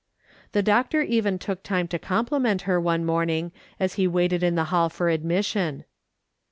The doctor even took time to compliment her one morning as he waited in the hall for admission.